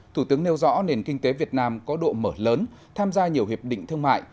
thủ tướng nêu rõ nền kinh tế việt nam có độ mở lớn tham gia nhiều hiệp định thương mại